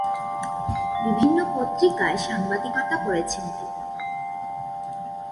বিভিন্ন পত্রিকায় সাংবাদিকতা করেছেন তিনি।